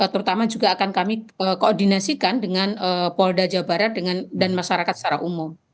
terutama juga akan kami koordinasikan dengan polda jawa barat dan masyarakat secara umum